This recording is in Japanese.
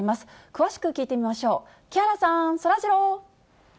詳しく聞いてみましょう、木原さん、そらジロー。